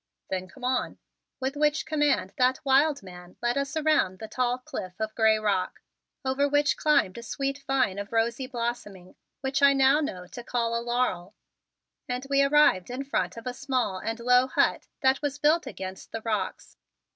"Then come on," with which command that wild man led us around the tall cliff of gray rock, over which climbed a sweet vine of rosy blossoming, which I now know to call a laurel, and we arrived in front of a small and low hut that was built against the rocks.